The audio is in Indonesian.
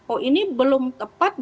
oh ini belum tepat